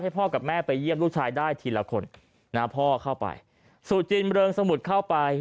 พ่อกับแม่ไปเยี่ยมลูกชายได้ทีละคนนะพ่อเข้าไปสู่จินเริงสมุทรเข้าไป